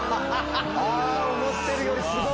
あ思ってるよりすごいわ。